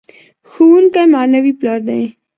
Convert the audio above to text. ښوونکی معنوي پلار دی.